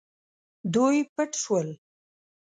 دوی پټ شول.